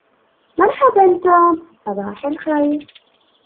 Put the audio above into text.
مرحباً, توم. صباح الخير.